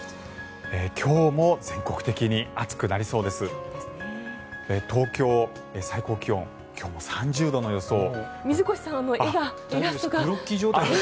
今日も全国的に暑くなりそうです。